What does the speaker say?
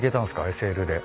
ＳＬで。